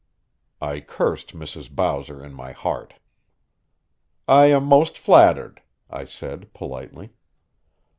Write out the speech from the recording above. I cursed Mrs. Bowser in my heart. "I am most flattered," I said politely.